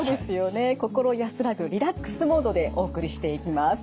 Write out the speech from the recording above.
心安らぐリラックスモードでお送りしていきます。